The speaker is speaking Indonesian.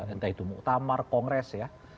entah itu muqtamar kongres